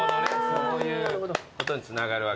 そういうことにつながるわけだ。